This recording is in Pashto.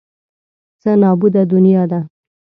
څه نابوده دنیا ده.